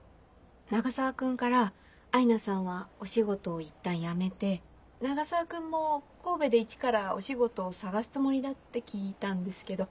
永沢君からアイナさんはお仕事をいったん辞めて永沢君も神戸でイチからお仕事を探すつもりだって聞いたんですけど。